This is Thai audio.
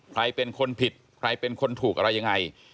ใครเป็นคนผิดใครเป็นคนถูกอะไรยังไง